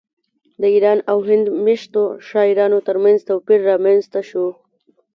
د ایران او هند میشتو شاعرانو ترمنځ توپیر رامنځته شو